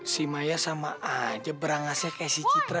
si maya sama aja berangasnya kayak si citra